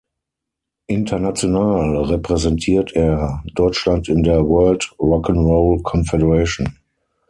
International repräsentiert er Deutschland in der World Rock’n’Roll Confederation.